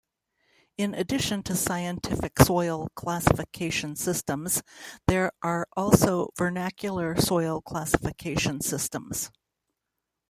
In addition to scientific soil classification systems, there are also vernacular soil classification systems.